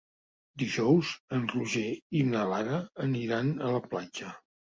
Dijous en Roger i na Lara aniran a la platja.